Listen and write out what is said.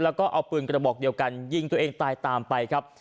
แล้วก็เอาปืนกระบอกเดียวกันยิงตัวเองตายตามไปครับ